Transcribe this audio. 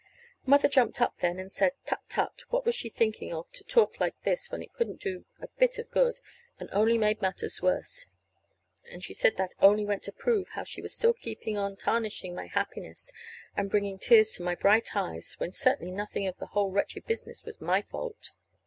Mother jumped up then, and said, "Tut, tut," what was she thinking of to talk like this when it couldn't do a bit of good, but only made matters worse. And she said that only went to prove how she was still keeping on tarnishing my happiness and bringing tears to my bright eyes, when certainly nothing of the whole wretched business was my fault.